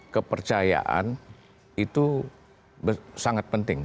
kepercayaan itu sangat penting